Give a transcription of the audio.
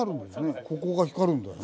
ここが光るんだよね。